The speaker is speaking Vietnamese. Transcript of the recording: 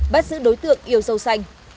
bắt giữ đối tượng yêu sâu xanh